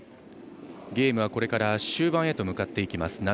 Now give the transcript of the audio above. ゲームはこれから終盤へと向かっていきます。